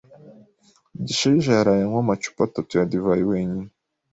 Gishayija yaraye anywa amacupa atatu ya divayi wenyine.